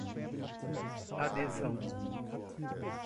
adesão